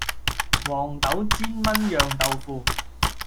黃豆煎燜釀豆腐